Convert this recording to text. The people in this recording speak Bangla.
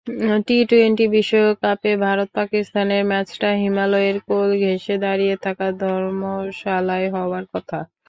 টি-টোয়েন্টি বিশ্বকাপে ভারত-পাকিস্তানের ম্যাচটা হিমালয়ের কোল ঘেঁষে দাঁড়িয়ে থাকা ধর্মশালায় হওয়ার কথা।